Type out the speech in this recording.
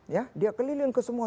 ya dia keliling ke semua